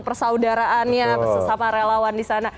persaudaraannya sesama relawan di sana